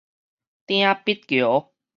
鼎筆橋